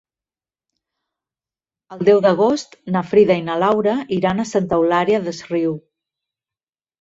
El deu d'agost na Frida i na Laura iran a Santa Eulària des Riu.